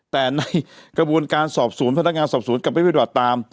แต่ในกระบวนการสอบสวนพนักงานสอบสวนกลับไปปฏิบัติตาม